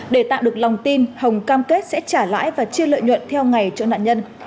để tạo được lòng tin hồng cam kết sẽ trả lãi và chia lợi nhuận theo ngày cho nạn nhân